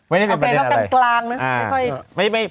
ไม่ได้เป็นประเด็นอะไรเอาไกลแล้วกันกลางนะไม่ค่อย